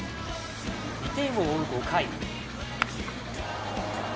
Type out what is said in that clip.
２点を追う５回。